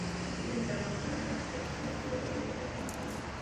Ha sido internacional en las selecciones juveniles de Argentina.